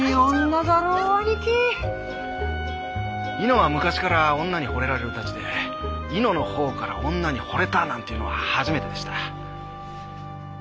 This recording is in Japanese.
猪之は昔から女にほれられるたちで猪之の方から女にほれたなんていうのは初めてでした。